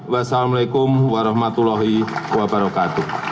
wassalamualaikum warahmatullahi wabarakatuh